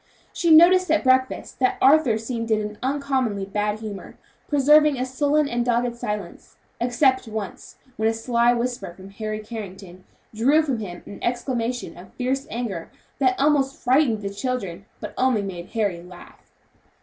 She noticed at breakfast that Arthur seemed in an uncommonly bad humor, preserving a sullen and dogged silence, excepting once when a sly whisper from Harry Carrington drew from him an exclamation of fierce anger that almost frightened the children, but only made Harry laugh.